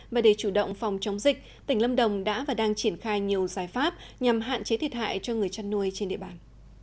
và để chủ động phòng chống dịch tỉnh lâm đồng đã và đang triển khai nhiều giải pháp nhằm hạn chế thiệt hại cho người chăn nuôi trên địa bàn